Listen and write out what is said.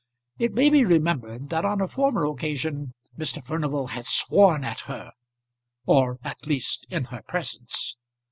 It may be remembered that on a former occasion Mr. Furnival had sworn at her or at least in her presence.